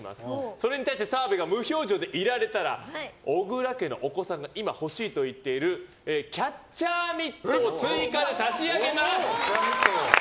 それに対して澤部が無表情でいられたら小倉家のお子さんが今、欲しいと言っているキャッチャーミットを追加で差し上げます。